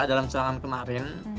dalam serangan kemarin